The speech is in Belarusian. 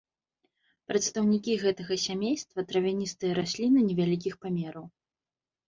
Прадстаўнікі гэтага сямейства травяністыя расліны невялікіх памераў.